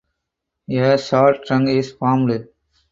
A short trunk is formed.